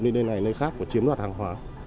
đi đây này đi khác và chiếm đoạt hàng hóa